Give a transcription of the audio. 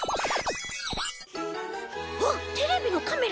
うわっテレビのカメラ？